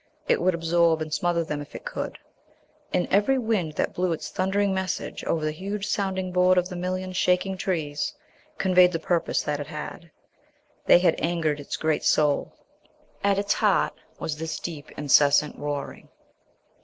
It would absorb and smother them if it could. And every wind that blew its thundering message over the huge sounding board of the million, shaking trees conveyed the purpose that it had. They had angered its great soul. At its heart was this deep, incessant roaring.